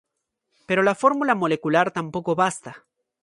Pero la fórmula molecular tampoco basta.